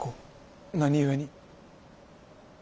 何故に。